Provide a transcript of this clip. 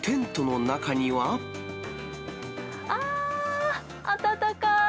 あー、温かい！